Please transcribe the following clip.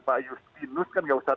pak justinus kan nggak usah